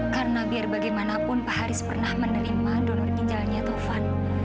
karena biar bagaimanapun pak haris pernah menerima donor ginjalnya tovan